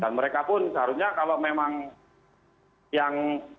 dan mereka pun seharusnya kalau memang ya mereka pun mengeklaim tidak menang